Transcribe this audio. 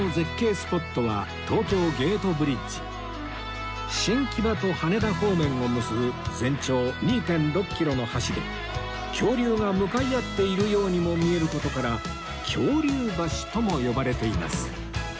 スポットは東京ゲートブリッジ新木場と羽田方面を結ぶ全長 ２．６ キロの橋で恐竜が向かい合っているようにも見える事から恐竜橋とも呼ばれています